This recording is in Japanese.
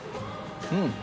うん！